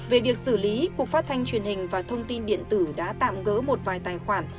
về việc xử lý cục phát thanh truyền hình và thông tin điện tử đã tạm gỡ một vài tài khoản